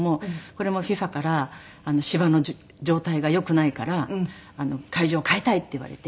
これもＦＩＦＡから「芝の状態が良くないから会場を変えたい」って言われて。